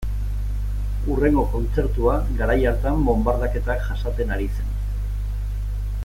Hurrengo kontzertua garai hartan bonbardaketak jasaten ari zen.